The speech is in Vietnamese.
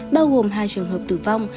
bao gồm hai trường hợp tử vong